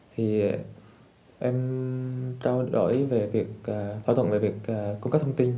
thì em trao đổi về việc thỏa thuận về việc cung cấp thông tin